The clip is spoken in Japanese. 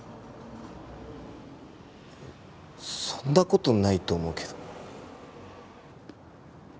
そんな事ないと思うけど。